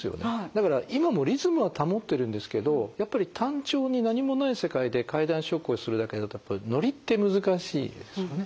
だから今もリズムは保ってるんですけどやっぱり単調に何もない世界で階段昇降するだけだとノリって難しいですよね。